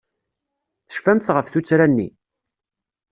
Tecfamt ɣef tuttra-nni?